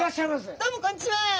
どうもこんにちは！